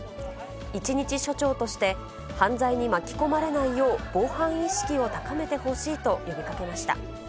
一日署長として、犯罪に巻き込まれないよう、防犯意識を高めてほしいと呼びかけました。